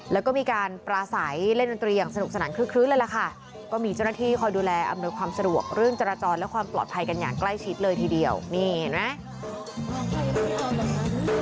แล้วก็มีการปราศัยเล่นดนตรีอย่างสนุกสนานคลึกคลื้นเลยล่ะค่ะก็มีเจ้าหน้าที่คอยดูแลอำนวยความสะดวกเรื่องจราจรและความปลอดภัยกันอย่างใกล้ชิดเลยทีเดียวนี่เห็นไหม